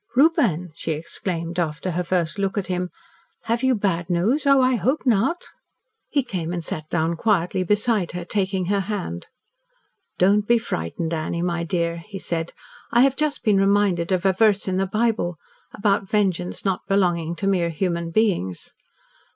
"Reuben!" she exclaimed, after her first look at him, "have you bad news? Oh, I hope not!" He came and sat down quietly beside her, taking her hand. "Don't be frightened, Annie, my dear," he said. "I have just been reminded of a verse in the Bible about vengeance not belonging to mere human beings.